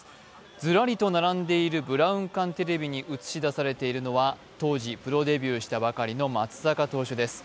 ずらりと並んでいるブラウン管テレビに映し出されているのは当時、プロデビューしたばかりの松坂選手です。